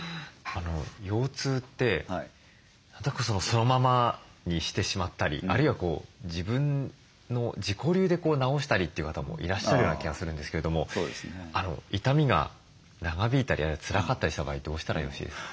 腰痛ってそのままにしてしまったりあるいは自己流で治したりという方もいらっしゃるような気がするんですけども痛みが長引いたりつらかったりした場合どうしたらよろしいですか？